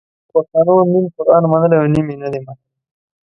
وایي پښتنو نیم قرآن منلی او نیم یې نه دی منلی.